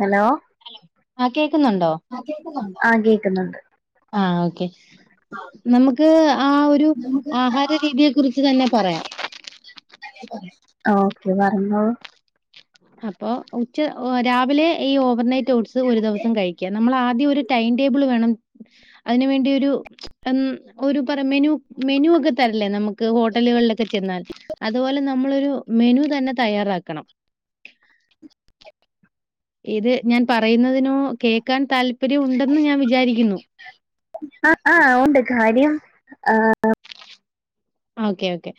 Hello hello ആ കേക്കുന്നുണ്ടോ. ആ കേക്കുന്നുണ്ട് ആഹ് ഓക്കെ നമുക്ക് ആ ഒരു ആഹാര രീതിയെ കുറിച്ച് തന്നെ പറയാം. ഓക്കെ പറഞ്ഞോളു. അപ്പൊ ഉച്ച രാവിലെ ഈ ഓവർനൈ റ്റ് ഓട്സ് ഒരു ദിവസം കഴിക്കാ നമ്മൾ ആദ്യം ഒ രു ടൈം ടേബിൾ വേണം അതിന് വേണ്ടി ഒരു ഒരു പറ മെനു മെനു ഒക്കെ തരല്ലേ നമുക്ക് ഹോട്ടലുകളിലൊക്കെ ചെന്നാൽ അതുപോലെ നമ്മളൊരു മെനു തന്നെ തയ്യാറാക്കണം. ഇത് ഞാൻ പറയുന്നതിനോ കേക്കാൻ ആഹ് ആഹ് ഉണ്ട്. കാര്യം ആഹ് ഓക്കെ ഓക്കെ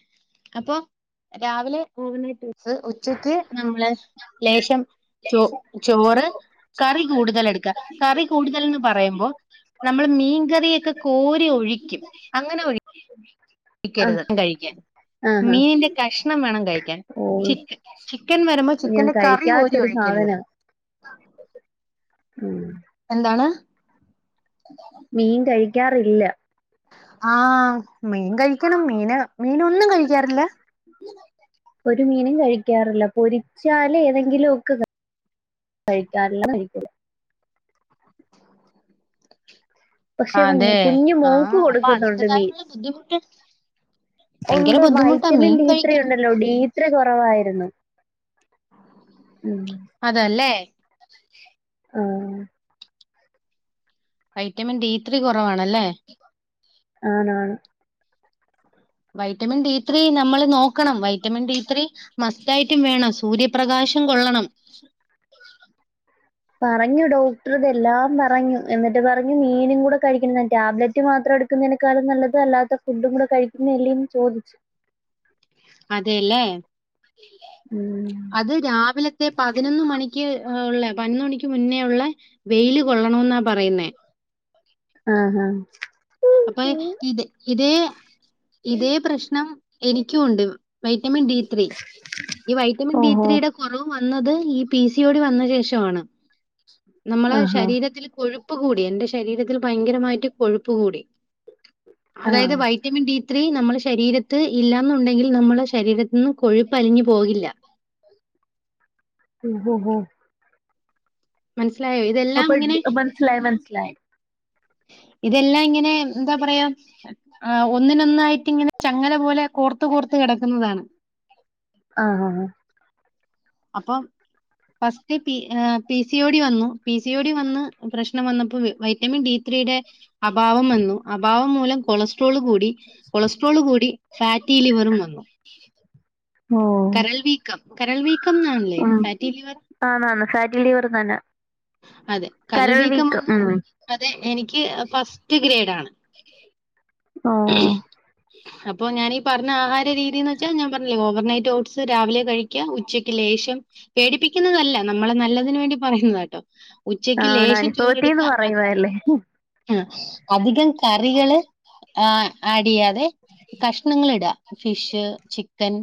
അപ്പൊ രാവിലെ ഓവർനൈറ്റോട്സ് ഉച്ചക്ക് നമ്മള് ലേശം ചോ ചോറ് കറി കൂടുതൽ എടുക്കാ. കറി കൂടുതൽന്ന് പറയുമ്പോ നമ്മൾ മീൻകറിയൊക്കെ കോരി ഒഴിക്കും അങ്ങനെ ഒഴി ആ ക്കരുത് കഴിക്കാൻ ആ ആ. മീന്റെ കഷ്ണം വേണം കഴിക്കാൻ ഓ ചിക്ക ചിക്കൻ വരുമ്പോ ഞാൻ ചിക്കന്റെ കറി കോരി കഴിക്കാത്തൊരു ഒഴിക്കരുത് സാധനാ ഉം എന്താണ്? മീൻ കഴിക്കാറില്ല. ആഹ് മീൻ കഴിക്കണം മീന മീനൊന്നും കഴിക്കാറില്ല ഒരു മീനും കഴിക്കാറില്ല പൊരിച്ചാല് ഏതെങ്കിലും ഒക്കെ കഴിക്കാറില്ല [unintelligible] പക്ഷെ അതെ കുഞ്ഞ് മോക്ക് ആഹ് അപ്പൊ കൊടുക്കുന്നുണ്ട് മീൻ അതിന്റേതായിട്ടുള്ള ബുദ്ധിമുട്ട് ഭയങ്കര ഉണ്ട് ബുദ്ധിമുട്ടാ വൈറ്റമിൻ മീൻ ഡി ത്രീ കഴിക്കണം ഉണ്ടല്ലോ ഡീ ത്രീ കുറവായിരുന്നു ഉം അതല്ലേ ആഹ് വൈറ്റമിൻ ഡി ത്രീ കൊറവാ ആണ് ആണ് വൈറ്റമിൻ ഡി ത്രീ നമ്മൾ നോക്കണം വൈറ്റമിൻ ഡി ത്രീ മസ് റ്റായിട്ടും വേണം സൂര്യപ്രകാശം കൊള്ളണം പറഞ്ഞു ഡോക്ടർ ഇതെല്ലാം പറഞ്ഞു എന്നിട്ട് പറഞ്ഞു മീനും കൂടെ കഴിക്കണ ടാബ്ലറ്റ് മാത്രം എടുക്കുന്നതിനേക്കാളും നല്ലത് അല്ലാത്ത ഫുഡും കൂടെ കഴിക്കുന്ന എല്ലും ചോദിച്ചു അതെല്ലേ ഉം അത് രാവിലത്തെ പതിനൊന്ന് മണിക്ക് ഉള്ള പതിനൊന്ന് മണിക്ക് മുന്നേു ഒള്ള വെയില് കൊള്ളണോന്നാ പറയുന്നേ ആ ആ അപ്പൊ ഇത് ഇതേ ഇതേ പ്രശ്നം എനിക്കു ഉണ്ട് വൈറ്റമിൻ ഡി ത്രീ ഈ വൈറ്റമിൻ ഡി ഓഹോ ത്രീയുടെ കുറവ് വന്നത് ഈ പി സി ഓ ടി വന്ന ശേഷമാണ് നമ്മളെ ആഹാ ശരീരത്തിൽ കൊഴു കൊഴുപ്പ് കൂടി എന്റെ ശരീരത്തിൽ ഭയങ്കരമായിട്ട് കൊഴു പുകൂടി അതായത് ആഹ് വൈറ്റമിൻ ഡി ത്രീ നമ്മുടെ ശരീരത്ത് ഇല്ലാന്നുണ്ടെങ്കിൽ നമ്മളുടെ ശരീരത്തി ഒന്നും കൊഴുപ്പ് അലിഞ്ഞു പോകില്ല ഉ ഹ ഹ മനസ്സിലായോ? ഇതെല്ലാം അപ്പ ഇങ്ങനെ ഇപ്പ മനസ്സിലായി മനസ്സിലായി ഇതെല്ലാം ഇങ്ങനെ എന്താ പറയാ ആ ഒന്നിന് ഒന്നായി ട്ട് ഇങ്ങനെ ചങ്ങല പോലെ കോർത്ത് കോർത്ത് കിടക്കുന്നതാണ് ആ ആ അപ്പം first P P C O D വന്നു പി സി ഒ ടി വന്ന് പ്രശ് പ്രശ്നം വന്നപ്പോ വൈറ്റമിൻ ഡി ത്രീയുടെ അഭാവം വന്നു അഭാവം മൂലം കൊളസ്ട്രോള് കൂടി കൊളസ്ട്രോള് കൂടി ഫാറ്റി ലിവറും വന്നു ഓഹ് കരൾ വീക്കം കരൾ വീക്കം എന്നാണല്ലേ ഫാറ്റി ലിവർ റ്റി ലിവർതന്നെ അതെ കരൾ വീക്കം വന്ന് ഉം അതെ എനിക്ക് ഫസ്റ്റ് ഗ്രേഡ് ആണ് ഓ അപ്പൊ ഞാനീ പറഞ്ഞ ആഹാരം രീതീയന്ന് വച്ചാ ഞാ പറഞ്ഞില്ലെ ഓവർനൈറ്റ് ഓട്ട്സ് രാവിലെ കഴിക്കുക ഉച്ചയ്ക്ക് ലേശം പേടിപ്പിക്കുന്നതല്ല നമ്മള നല്ലതിന് വേണ്ടി പറയുന്നതാണ് ആണ് അനുഭവത്തിന്ന് അ പറയുവല്ലേ ആഹ് അധികം കറികള് ആ ആഡ് ചെയ്യാ തെ കഷ്ണങ്ങള് ഇടുക ഫിഷ് ചിക്കൻ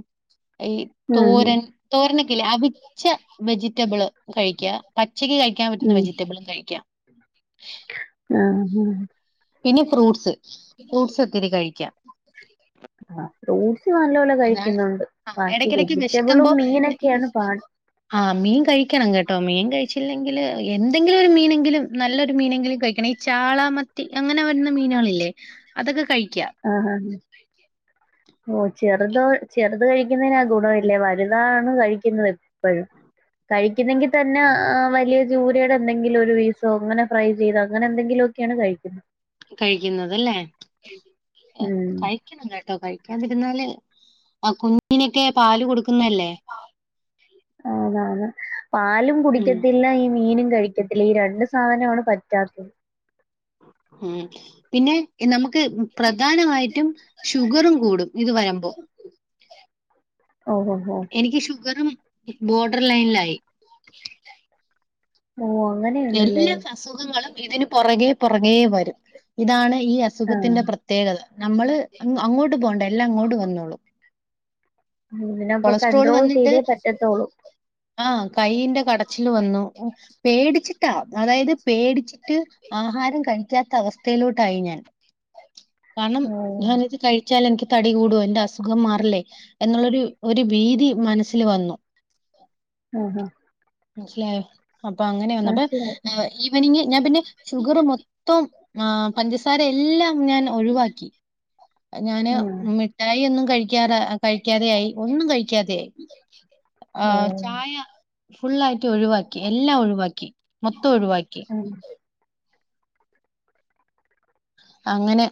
ഈ ഉം തോരൻ തോരനൊക്കെല്ല അവിച്ച വെജിറ്റബിള് കഴിക്കുക പച്ചക്ക് കഴി [unintelligible] ഉം വെജിറ്റബ്ളും കഴിക്കാം ആഹ് ഹ പിന്നെ ഫ്രൂട്ട്സ് ഫ്രൂട്ട്സ് ഒത്തിരി കഴിക്കുക. [inaudible] ആ ഫ്രൂ ഇതാണ് എടക്കെടക്ക് വെജിറ്റബിളും വെഷക്കുമ്പോ മീനൊക്കെയാണ് പാട് ആ മീൻ കഴിക്കണം കേട്ടോ മീൻ കഴിച്ചില്ലെങ്കില് എൻ ന്തെങ്കിലൊരു മീന് ങ്കിലും നല്ലൊരു മീനെങ്കിലും കഴിക്കണെ ചാള മത്തി അങ്ങനെ വരുന്ന മീനുകളില്ലേ അതൊക്കെ കഴിക്കാ. ആഹ് ആഹ് ഓച്ചെർ ചെറുതോ ചെറുത് കഴിക്കുന്നതിന ഗുണവില്ല വലുതാണ് കഴിക്കുന്നത് എപ്പഴും കഴിക്കുന്നെങ്കി തന്നെ വലിയ ചൂരെടെ എന്തെങ്കിലും ഒരു പീസോ അങ്ങനെ ഫ്രൈ ചെയ്തോ അങ്ങനെന്തങ്കിലു ഒക്കെയാണ് കഴിക്കുന്നത് കഴിക്കുന്നതല്ലേ ഉം. കഴിക്കണം കേട്ടോ കഴിക്കാതിരുന്നാല് ആ കുഞ്ഞിനെക്കെ അതാണ് പാലും ഉം കുടിക്കത്തില്ല ഈ മീനും കഴിക്കത്തില്ല ഈ രണ്ട് സാധനമാണ് പറ്റാത്തത് മ് പിന്നെ നമു ക്ക് പ്രധാനമായിട്ടും ഷുഗറും കൂടും ഇത് വരുമ്പോ ഓഹോഹോ. എനിക്ക് ഷുഗറും ബോർഡർ ലൈനിലായി ഓഹ് അങ്ങനെയുണ്ടല്ലേ? എല്ലാ സ അസുഖങ്ങളും ഇതിന് പുറകെ പുറകേ വരും ഇതാണ് ഈ ആഹ്. അസുഖത്തിന്റെ പ്രത്യേകത നമ്മള് അങ്ങ് അങ്ങോട്ട് പോകണ്ട എല്ലാം ഇങ്ങോട്ട് വന്നോളും ഇതിനപ്പൊ കൊളസ്ട്രോൾ കണ്ട്രോൾ വന്നിട്ട് ചെയ്തേ പറ്റത്തോള്ളൂ ആ കൈയിന്റെ കടച്ചില് വന്നു പേടിച്ച് ട്ട അതായത് പേടിച്ചിട്ട് ആഹാരം കഴി ക്കാത്ത അവസ്ഥയിലോട്ടായി ഞാൻ കാരണം ഓഹ്. ഞാനത് കഴിച്ചാൽ എനിക്ക് തടികൂടോ എന്റെ അസുഖം മാറില്ലേ എന്നുള്ളൊരു ഒരു ഭീതി മനസ്സില് വന്നു ഹഹ മനസ്സിലായോ അപ്പൊ അങ്ങനെയ വന്നപ്പാ ഹ് ഈവനിംങ്ങ് ഞാൻ പിന്നെ ഷുഗറ് മൊത്തം ആഹ് പഞ്ചസാ തെല്ലാം ഞാൻ ഒഴിവാക്കി ഞാന് ഉം. മിഠായി ഒന്നും കഴിക്കാറ കഴിക്കാതെയായി ഒന്നും കഴിക്കാതെയായി ആ ഓഹ്. ചായ ഫുൾ ആയി ക്കി ഒഴുവാക്കി എല്ലാം ഒഴുവാക്കി മൊത്തോം ഒഴുവാക്കി ഉം. അങ്ങനെ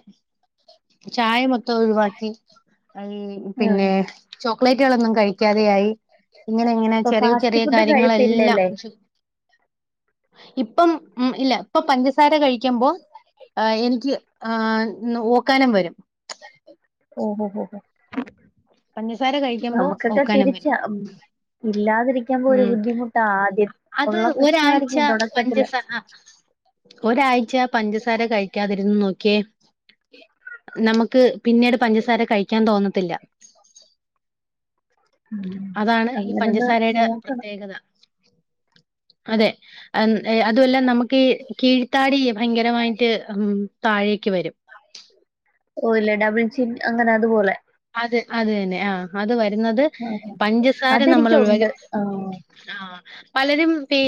ചായ മ ത്തം ഒഴിവാക്കി ആഹ്. പിന്നെ ചോ പ്ളേറ്റുകളൊന്നും കഴിക്കാതെ ആയി ഇങ്ങനെ ഇങ്ങനെ ഇപ്പൊ ചെറിയ ഫാസ്റ്റ് ചെറിയ ഫുഡ് കാര്യങ്ങളെല്ലാം. കഴിപ്പില്ലല്ലേ? ഇപ്പം ഉം ഇല്ല ഇപ്പൊ പഞ്ചസാര കഴിക്കുമ്പോ എനിക്ക് ആ ന് ഓ ക്കാനംവരും ഓ ഓ ഹോ പഞ്ചസാര കഴിക്കുമ്പോ നമുക്കക്കേ ഓക്കാനം വരും. തിരിച്ചാ ഉം അത് ഉള്ള ഒരാഴ്ച പ്രശ്നമായിരിക്കും തുടക്കത്തില് പഞ്ചസ ഒരാഴ്ച പഞ്ചസാര കഴിക്കാതിരുന്ന് നോക്കിയേ നമുക്ക് പിന്നീട് പഞ്ചസാര കഴിക്കാൻ തോന്നത്തില്ല ഉം അതാണ് ഈ അങ്ങനൊന്ന് നോ പഞ്ചസാരയുടെ പ്രത്യേകത അതെ അൻ അതുവല്ല നമുക്കി കീഴ്ത്താടി ഭയങ്കരമായിട്ട് ഉം താഴേക്ക് വരും ഓ ഇല്ല ഡബിൾ ചിൻ അങ്ങനെ അതുപോലെ അത് അത് തന്നെ ആഹ് അത് വരുന്നത് പഞ്ചസാര നമ്മള് ഒഴിവാക്കി അതെനിക്കുണ്ട് ആഹ് ആഹ് പലരും ഫേ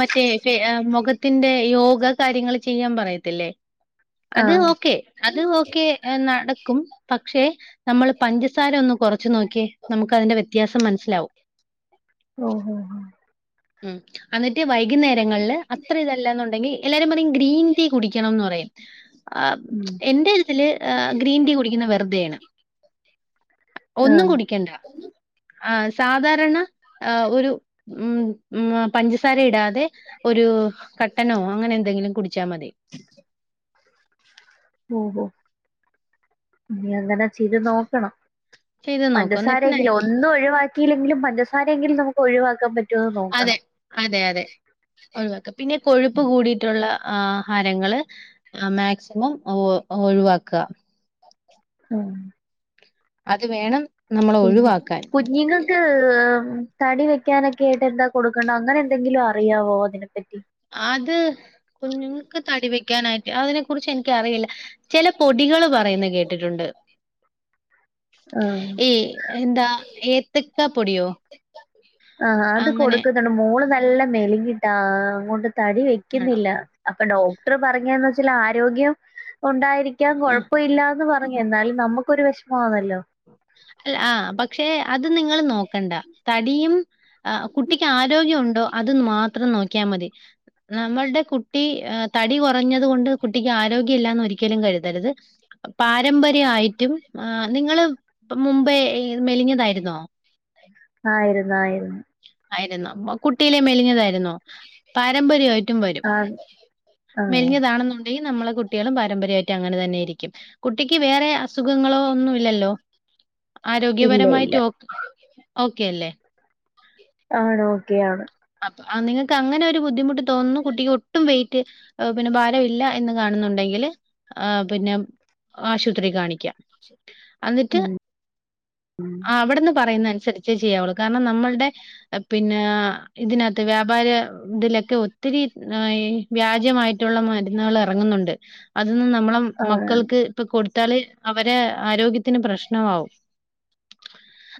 മറ്റേ ഫേ മുഖ ത്തിന്റെ യോഗ കാര്യങ്ങൾ ചെയ്യാൻ പറയത്തില്ലേ അത് ആഹ് ഓക്കെ അത് ഓക്കെ നടക്കും പക്ഷേ നമ്മള് പഞ്ചസാര ഒന്ന് കൊറച്ച് നോക്കിയെ നമുക്ക് അതിന്റെ വ്യത്യാസം മനസ്സിലാവും ഓ ഓ ഓ ഉം അന്നിട്ട് വൈ ക്ന്നേരങ്ങളില് അത്ര ഇതല്ല ന്നുണ്ടെങ്കി എല്ലാരും പറയും ഗ്രീൻ ടീ കുടിക്കണംന്ന് പറയും ആ ഉം എന്റെ ഇതില് ആ ഗ്രീൻ ടീ കുടിക്കുന്ന വെറുതെയാണ് ഒന്നും ആഹ് കുടിക്കണ്ട ആ സാധാരണ ഒരു ഉം ഉം പഞ്ചസാര ഇടാ തെ ഒരു കട്ടനോ അങ്ങനെ എന്തെങ്കിലും കുടിച്ചാൽ മതി ഓ ഓ ഉം ന്ന് അങ്ങനെ ചെയ്ത് മനസ്സിലായി. നോക്കണം ചെയ്ത് നോക്കൂ. എന്നിട്ട് നൈ പഞ്ചസാരെയെങ്കിലും ഒന്നും ഒഴിവാക്കിയില്ലെങ്കിലും പഞ്ചസാരയെങ്കിലും നമുക്ക് ഒഴിവാക്കാൻ പറ്റുമന്ന് അതെ. നോക്കണം അതെ അതെ. ആ ആഹാരങ്ങള് മാക്സിമം ഒഴിവാക്കാ ആഹ അത് വേണം നമ്മള് പിന്നെ ഒഴിവാക്കാൻ. കുഞ്ഞുങ്ങൾക്ക് തടി വെക്കാനൊക്കെ ആയിട്ട് എന്താ കൊടുക്കണ്ടേ അങ്ങനെ എന്തെങ്കിലും അറിയാവോ അതിനെപ്പറ്റി അത് കുഞ്ഞുങ്ങക്ക് തടി വെക്ക ക്കാനായിട്ട് അതിനെ കുറിച്ച് എനിക്കറിയില്ല ചില പൊടി ടികൾ പറയുന്നത് കേട്ടിട്ടുണ്ട് ആഹ് ഈ എന്താ ഏ എത്തക്കപ്പോടിയോ ആഹ് അത് കൊടുക്കുന്നുണ്ട് മോള് നല്ല മെലിഞ്ഞിട്ടാ അങ്ങോട്ട തടി ആണോ? വെക്കുന്നില്ല അപ്പൊ ഡോക്ടർ പറഞ്ഞേന്ന് വെച്ചാ ആരോഗ്യം ഉണ്ടായിരിക്കാൻ ആഹ് കൊഴപ്പമ ഇില്ലന്ന് പ അ എന്നാലും നമുക്കൊരു വിഷമമാണല്ലോ അല്ല ആഹ് പക്ഷേ അത് നിങ്ങൾ നോക്കണ്ട തടിയും കുട്ടിക്ക് ആരോഗ്യം ഉണ്ടോ അത് മാത്രം നോക്കിയാൽ മതി നമ്മളുടെ കുട്ടി തടി കുറഞ്ഞത് കൊണ്ട് കുട്ടിക്ക് ആരോഗ്യ ഇല്ലാന്ന് ഒരിക്കലും കരുതരുത് പാരമ്പര്യാ യി പറ്റും നിങ്ങള് ഇപ്പ മുമ്പേ മെലിഞ്ഞതായിരുന്നോ ആയിരുന്നു ആയിരുന്നു. ആയിരുന്നു കുട്ടിയിലെ മെലിഞ്ഞതായിരുന്നോ പാരമ്പര്യമായിട്ടും വരും ആഹ് ആഹ്. മെലിഞ്ഞതാണെന്നുണ്ടെങ്കിൽ നമ്മളെ കുട്ടികളും പാരമ്പര്യമായിട്ടും അങ്ങനെ തന്നെയായിരിക്കും കുട്ടിക്ക് വേറെ അ അസുഖങ്ങളോ ഒന്നുംല്ലല്ലോ ഇല്ല ഇല്ല. ആരോഗ്യപരമായിട്ട് ഓക്കെ അല്ലേ ആണോ ഓക്കെ ആണ് അപ്പൊ ആ നിങ്ങൾക്ക് അങ്ങനെ ഒരു ബുദ്ധിമുട്ട് തോന്നുന്നു കുട്ടിക്ക് ഒട്ടും വെയി റ്റ് പിന്നെ ഭാരംഇല്ല എന്ന് കാണുന്നുണ്ടെങ്കിൽ പിന്നെ ആശുപത്രീ കാണിക്കാം അന്നിട്ട് ഉം ഉം. അവിടെന്ന് പറയുന്ന അനുസരിച്ചേ ചെയ്യാവൊള്ളൂ കാരണം നമ്മളുടെ പിന്നെ ആ ഇതിനകത്ത് വ്യാപാര ഇതിലൊക്കെ ഒത്തിരി ആ ഉം വ്യാജമായിട്ടുള്ള മരുന്നുകൾ എറങ്ങുന്നുണ്ട് അതൊന്നും നമ്മള ആണ്. മക്കൾക്ക് ഇപ്പൊ കൊടു ടാല് അവരെ ആരോഗ്യത്തിന് പ്രശ്നമാവും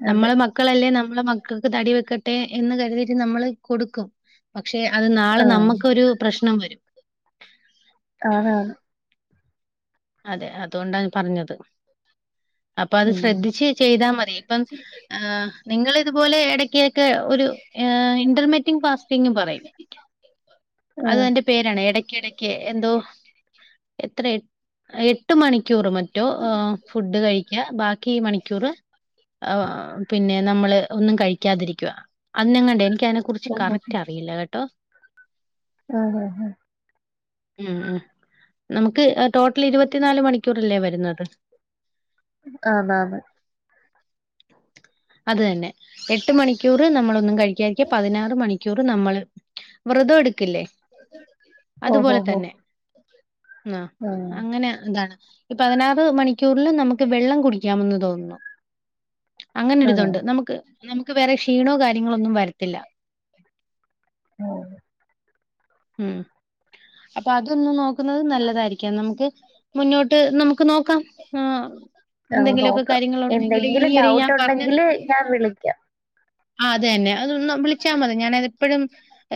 നമ്മള അതെ. മക്കളല്ലേ ന നമ്മള മക്കൾക്ക് തടി വെക്കട്ടെ എന്ന് കരുതിട്ട് നമ്മള് കൊടുക്കും പക്ഷെ അത് നാളെ ആഹ്. നമുക്കൊരു പ്രശ്നം വരും ആതാണ് അതെ അതുകൊണ്ടാണ് പറഞ്ഞത് അപ്പൊ അത് ഉം. ശ്രദ്ധിച്ച് ചെയ്താ മതി ഇപ്പം ആ നിങ്ങള് ഇതുപോലെ ഏടക് ടകൊക്കെ ഒരു ഇന്റർമെറ്റ് ഫാസ്റ്റിംഗ് പറയും അത് ആഹ്. ന്റെ പേരാണ് എടക്ക് എടക്ക് എന്തോ എത്ര എട്ട് മണിക്കൂറ് മറ്റോ ഫുഡ് കഴിക്ക ബാക്കി മണിക്കൂർ പിന്നെ നമ്മള് ഒന്നും കഴിക്കാതിരിക്കുക അന്നെങ്ങാണ്ടേ എനിക്ക് അതിനെ കുറിച്ച് കറക്റ്റ് അറിയില്ല കേട്ടോ ആഹ് ആഹ് ഹ ഉം ഉം നമുക്ക് ഇരുപത്തിനാല് മണിക്കൂറെല്ലേ വരുന്നത് ആതാണ് അത് തന്നെ എട്ട് മണി ക്യൂറ് നമ്മളൊന്നു കഴിക്ക്യാരിക്ക പതിനാറ് മണിക് കുറ് നമ്മള് വ്രിത ഒടി ക്കില്ലെ അതുപോലെ ഓഹോഹോ. തന്നെ ആഹ് ങ്ങനെ എന്താണ് ഇ പതിനാറ് മണി ക്ക്യൂറില് നമക്ക് വെള്ളം കുടി ക്ക്യാമെന്ന് തോന്ന്ന്നു ആഹ്. അങ്ങനൊരിതുണ്ട് നമുക്ക് നമുക്ക് വേറെഷ് ക്ഷീണോ കാര്യേങ്ങളൊന്നും വരത്തില്ല ഓഹ് ഉം അപ്പൊ അതൊന്നു നോക്ക് ക്കുന്നത് നല്ലതായിരിക്കാം നമുക്ക് മുന്നോട്ട് നമുക്ക് നക്ക് നോക്കാം ആ ആഹ് എന്തെങ്കിലുമൊക്കെ നോക്കാം. കാര്യങ്ങളുണ്ടെങ്കിൽ ഈ എന്തെങ്കിലും ഒരു ഞാൻ പറഞ്ഞ ഡൗട്ടുണ്ടെങ്കില് ഞാൻ വിളിക്കാം. ആ അത തന്നെ അതൊ ന്നു വിളിച്ചാൽ മതി ഞാാനതെപ്പോഴും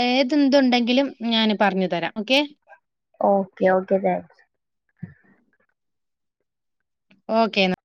ഏതെന്തുണ്ടെങ്ക എങ്കിലും ഞാന് പറഞ്ഞു തരാം okay okay okay thanks okay എന്നാ